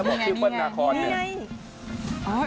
บอกพี่เปิ๊ปนาคอน